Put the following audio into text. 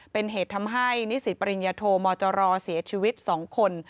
เป็นเหตุทำให้นิสิตปริญญโทมจรเสียชีวิต๒คน